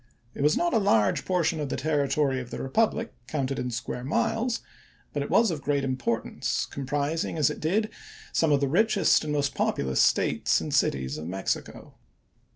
It was not a large portion of the territory of the republic counted in square miles, but it was of great importance, comprising, as it did, some of the richest and most populous States and cities of Mexico.